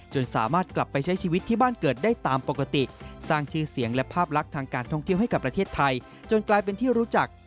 สามารถกลับไปใช้ชีวิตที่บ้านเกิดได้ตามปกติสร้างชื่อเสียงและภาพลักษณ์ทางการท่องเที่ยวให้กับประเทศไทยจนกลายเป็นที่รู้จัก